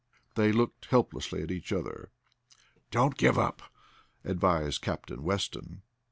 They looked helplessly at each other. "Don't give up," advised Captain Weston.